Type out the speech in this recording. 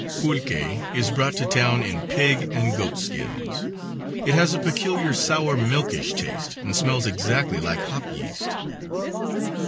Pulque is brought to town in pig and goat skins. It has a peculiar sour milkish taste, and smells exactly like hop yeast.